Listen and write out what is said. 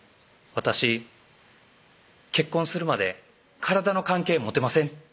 「私結婚するまで体の関係持てません」